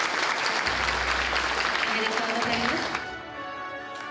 「おめでとうございます」。